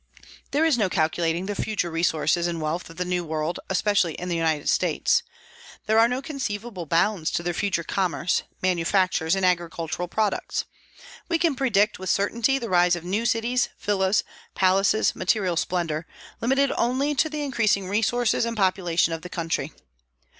There is no calculating the future resources and wealth of the New World, especially in the United States. There are no conceivable bounds to their future commerce, manufactures, and agricultural products. We can predict with certainty the rise of new cities, villas, palaces, material splendor, limited only to the increasing resources and population of the country.